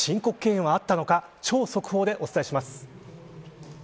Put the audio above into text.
そして申告敬遠はあったのか超速報でお伝えします。